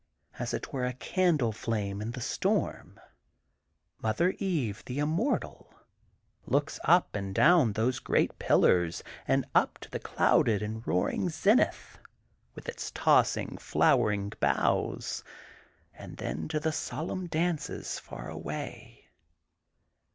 As it were, a candle flame in the storm, Mother Eve, the immortal, looks up and down those great pillars and up to the clouded and roaring zenith with its tossing flowering boughs, and then to the solenm dances, far away.